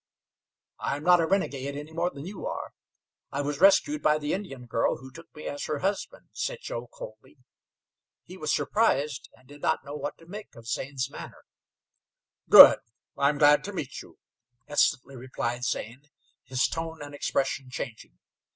"I am not a renegade any more than you are. I was rescued by the Indian girl, who took me as her husband," said Joe coldly. He was surprised, and did not know what to make of Zane's manner. "Good! I'm glad to meet you," instantly replied Zane, his tone and expression changing.